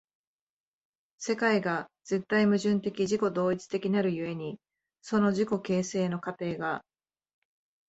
世界が絶対矛盾的自己同一的なる故に、その自己形成の過程が